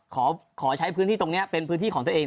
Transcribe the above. ก็ขอใช้ตรงนี้เป็นพื้นธีของตัวเอง